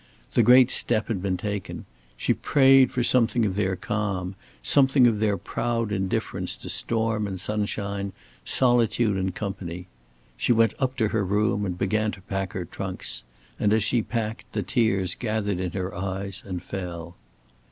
The great step had been taken. She prayed for something of their calm, something of their proud indifference to storm and sunshine, solitude and company. She went up to her room and began to pack her trunks. And as she packed, the tears gathered in her eyes and fell.